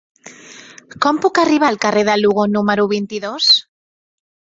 Com puc arribar al carrer de Lugo número vint-i-dos?